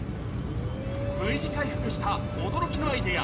Ｖ字回復した驚きのアイデア